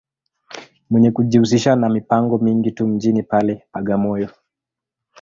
Mwenye kujihusisha ma mipango mingi tu mjini pale, Bagamoyo.